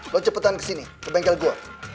lo cepetan kesini ke bengkel gue